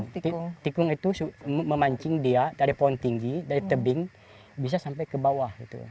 tikung itu memancing dia dari pohon tinggi dari tebing bisa sampai ke bawah